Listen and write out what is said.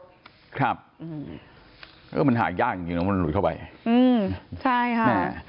หลังรถครับมันหายากจริงถ้ามันหลุยเข้าไปใช่ค่ะ